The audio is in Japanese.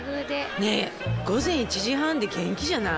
ねえ午前１時半で元気じゃない？